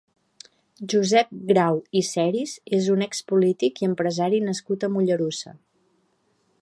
Josep Grau i Seris és un ex-polític i empresari nascut a Mollerussa.